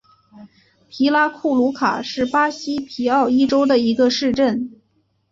皮拉库鲁卡是巴西皮奥伊州的一个市镇。